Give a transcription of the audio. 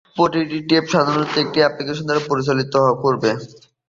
প্রতিটি টেপ সাধারণত একটি অ্যাপ্লিকেশন পরিচালনা করবে।